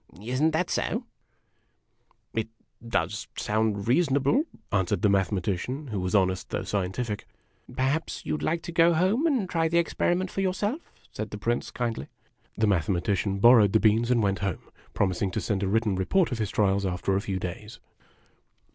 Is n't that so ?"" It does sound reasonable," answered the Mathematician, who was honest though scientific. " Perhaps you 'cl like to go home and try the experiment for your self? " said the Prince, kindly. The Mathematician borrowed the beans, and went home, promis ing to send a written report of his trials after a few clays.